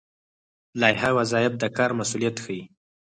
لایحه وظایف د کار مسوولیت ښيي